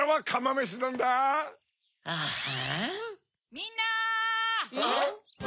・みんな！